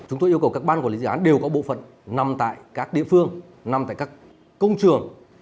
chúng tôi yêu cầu các ban quản lý dự án đều có bộ phận nằm tại các địa phương nằm tại các công trường